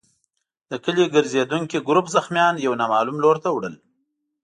د کلي ګرزېدونکي ګروپ زخمیان يو نامعلوم لور ته وړل.